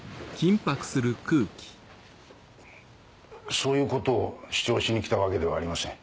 そういうことを主張しにきたわけではありません。